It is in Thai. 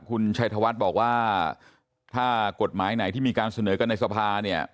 คุณชัยธวัฒน์บอกว่าถ้ากฎหมายไหนที่มีการเสนอกันในสภาเนี่ย